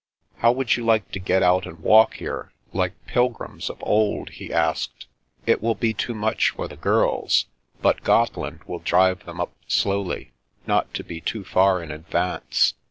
" How would you like to get out and walk here, like pilgrims of old ?" he asked. " It will be too much for the girls, but Gotteland will drive them up slowly, not to be too far in advance.